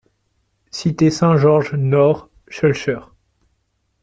Cité Saint-Georges Nord, Schœlcher